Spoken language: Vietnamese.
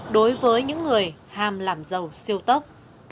đối với những người ham làm giàu siêu tốc